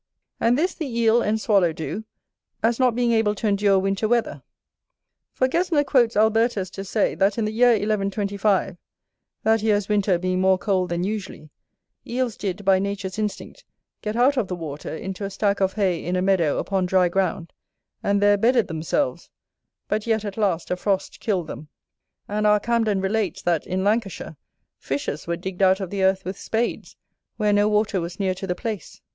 And this the Eel and Swallow do, as not being able to endure winter weather: for Gesner quotes Albertus to say, that in the year 1125, that year's winter being more cold than usually, Eels did, by nature's instinct, get out of the water into a stack of hay in a meadow upon dry ground; and there bedded themselves: but yet, at last, a frost killed them. And our Camden relates, that, in Lancashire, fishes were digged out of the earth with spades, where no water was near to the place.